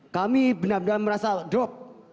kami benar benar merasa drop